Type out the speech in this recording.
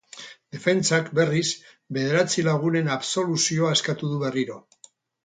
Defentsak, berriz, bederatzi lagunen absoluzioa eskatu du berriro.